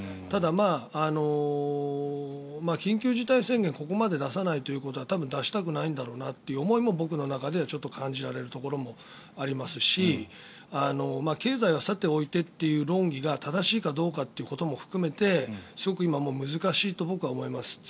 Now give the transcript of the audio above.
ただ、緊急事態宣言ここまで出さないということは多分、出したくないんだろうなという思いも僕の中では感じられるところもありますし経済はさておいてという論議が正しいかどうかということも含めてすごく今、難しいと僕は思います。